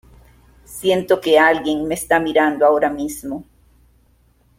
Siento que alguien me está mirando ahora mismo.